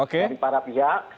dari para pihak